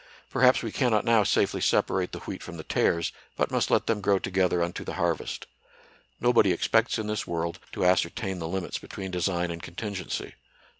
Perhaps we cannot now safely separate the wheat from the tares, but must let them grow together unto the harvest. Nobody expects in this world to ascertain the limits between design and contingency.